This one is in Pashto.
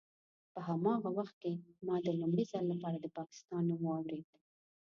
په هماغه وخت کې ما د لومړي ځل لپاره د پاکستان نوم واورېد.